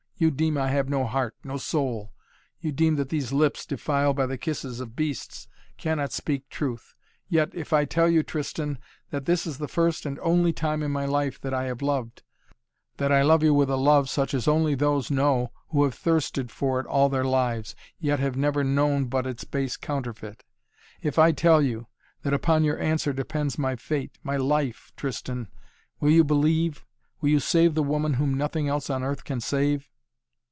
You deem I have no heart no soul. You deem that these lips, defiled by the kisses of beasts, cannot speak truth. Yet, if I tell you, Tristan, that this is the first and only time in my life that I have loved, that I love you with a love such as only those know who have thirsted for it all their lives, yet have never known but its base counterfeit; if I tell you that upon your answer depends my fate my life Tristan will you believe will you save the woman whom nothing else on earth can save?"